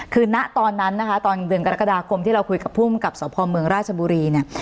คือณตอนนั้นนะคะตอนเดือนกรกฎาคมที่เราคุยกับภูมิกับสพเมืองราชบุรีเนี่ย